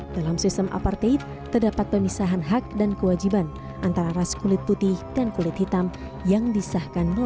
dalam sistem aparted terdapat pemisahan hak dan kewajiban antara ras kulit putih dan kulit hitam yang disahkan